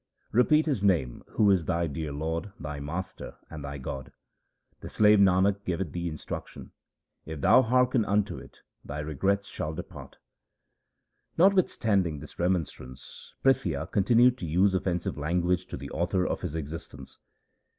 Repeat His name who is thy dear Lord, thy Master, and thy God. The slave Nanak giveth thee instruction ; if thou hearken unto it, thy regrets shall depart. 1 Notwithstanding this remonstrance Prithia con tinued to use offensive language to the author of his existence.